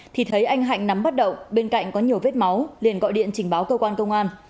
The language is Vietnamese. thì thấy anh hạnh nắm bắt đậu bên cạnh có nhiều vết máu liền gọi điện trình báo cơ quan công an